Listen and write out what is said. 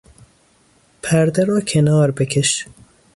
پرده را کنار بکش!